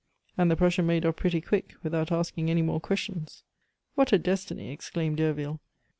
And the Prussian made off pretty quick, without asking any more questions." "What a destiny!" exclaimed Derville.